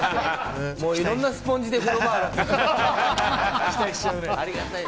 いろんなスポンジで風呂場を洗ってほしい。